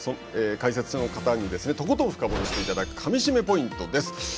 解説者の方にとことん深掘りしていただくかみしめポイントです。